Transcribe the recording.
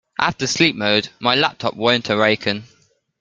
After sleep mode, my laptop won't awaken.